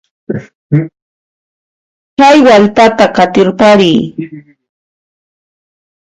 Chay wallpata qatirpariy.